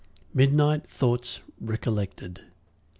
Midnight thoughts recollected.